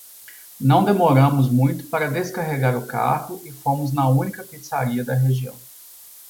Não demoramos muito para descarregar o carro e fomos na única pizzaria da região.